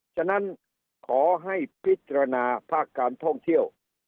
ฉะนั้นขอให้พิจารณาภาคการท่องเที่ยว